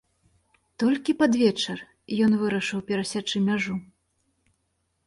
Толькі пад вечар ён вырашыў перасячы мяжу.